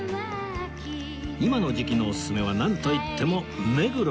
今の時期のおすすめはなんといっても目黒のさんま